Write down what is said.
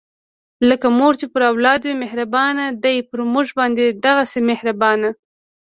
لکه مور چې پر اولاد وي مهربانه، دی پر مونږ باندې دغهسې مهربانه